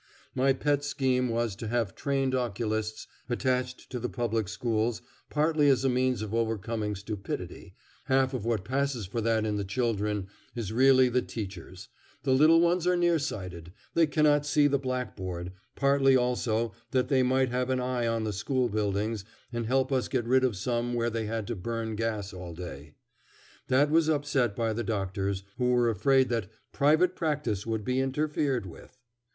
My pet scheme was to have trained oculists attached to the public schools, partly as a means of overcoming stupidity half of what passes for that in the children is really the teacher's; the little ones are near sighted; they cannot see the blackboard partly also that they might have an eye on the school buildings and help us get rid of some where they had to burn gas all day. That was upset by the doctors, who were afraid that "private practice would be interfered with."